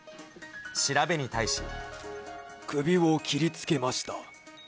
首を切りつけました。